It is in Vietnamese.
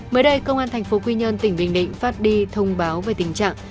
mới đây công an tp quy nhơn tỉnh bình định phát đi thông báo về tình trạng